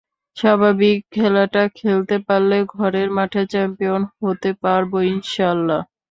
স্বাভাবিক খেলাটা খেলতে পারলে ঘরের মাঠে চ্যাম্পিয়ন হতে পারব ইনশা আল্লাহ।